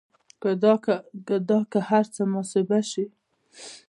که دا هر څه محاسبه شي